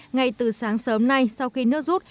ngay từ sáng sớm nay sau khi nước rút